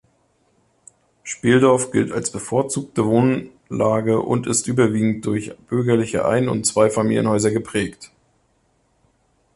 Speldorf gilt als bevorzugte Wohnlage und ist überwiegend durch bürgerliche Ein- und Zweifamilienhäuser geprägt.